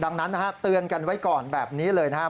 ดังนั้นเตือนกันไว้ก่อนแบบนี้เลยนะฮะ